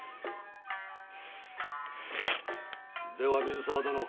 では水澤殿。